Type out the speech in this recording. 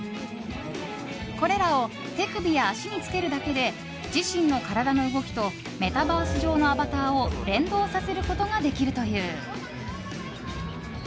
これらを手首や足につけるだけで自身の体の動きとメタバース上のアバターを連動させることができるという。